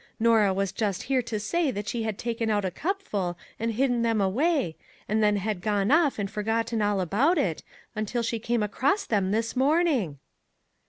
Norah was just here to say that she had taken out a cupful and hidden them away, and then had gone off and forgotten all about it, until she came across them this morning."